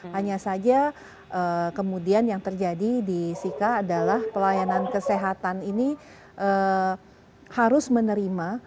hanya saja kemudian yang terjadi di sika adalah pelayanan kesehatan ini harus menerima